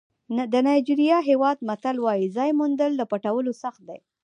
د نایجېریا هېواد متل وایي ځای موندل له پټولو سخت دي.